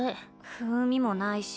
風味もないし。